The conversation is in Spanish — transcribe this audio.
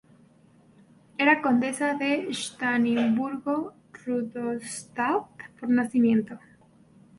Era Condesa de Schwarzburgo-Rudolstadt por nacimiento.